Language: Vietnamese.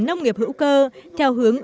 nông nghiệp hữu cơ theo hướng